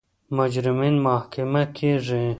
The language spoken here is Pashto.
مجرمین محاکمه کیږي.